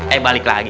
eh balik lagi